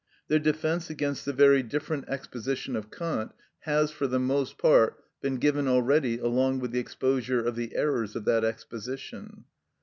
Their defence against the very different exposition of Kant has, for the most part, been given already along with the exposure of the errors of that exposition.